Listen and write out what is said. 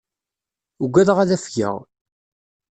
Ugadeɣ ad afgeɣ.